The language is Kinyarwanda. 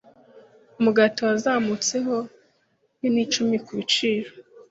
Umugati wazamutseho yen icumi kubiciro .